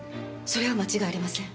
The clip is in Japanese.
それは間違いありません。